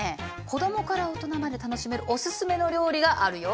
子供から大人まで楽しめるおすすめの料理があるよ。